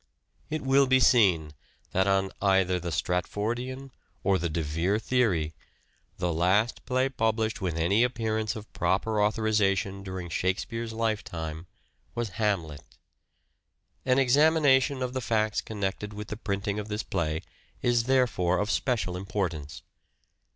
It will be seen that on either the Stratfordian or the De Vere theory, the last play published with any appearance of proper authoriza tion during Shakespeare's lifetime was " Hamlet." An examination of the facts connected with the printing of this play is therefore of special importance.